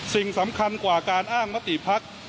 สิ่งสำคัญกว่าการอ้างมติภักดิ์